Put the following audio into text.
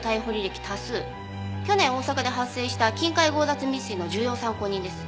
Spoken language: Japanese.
去年大阪で発生した金塊強奪未遂の重要参考人です。